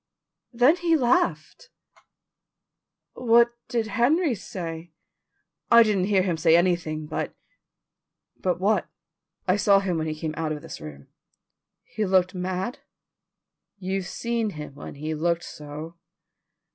"Then he laughed." "What did Henry say." "I didn't hear him say anything, but " "But what?" "I saw him when he came out of this room." "He looked mad?" "You've seen him when he looked so."